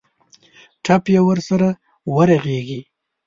ټپ یې ورسره ورغېږي.